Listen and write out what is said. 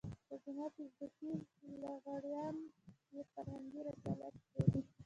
خو زموږ فېسبوکي لغړيان يې فرهنګي رسالت بولي.